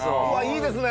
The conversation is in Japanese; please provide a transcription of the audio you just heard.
いいですね！